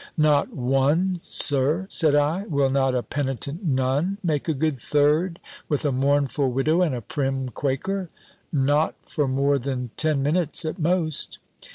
"Not one, Sir!" said I. "Will not a penitent Nun make a good third with a mournful Widow, and a prim Quaker?" "Not for more than ten minutes at most."